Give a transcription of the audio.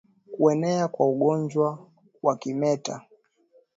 Kuenea kwa ugonjwa wa kimeta